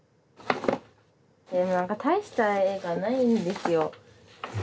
でも何か大した絵がないんですよ。